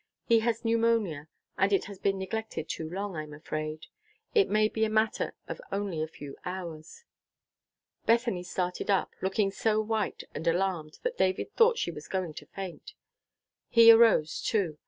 He has pneumonia, and it has been neglected too long, I'm afraid. It may be a matter of only a few hours." Bethany started up, looking so white and alarmed that David thought she was going to faint. He arose, too.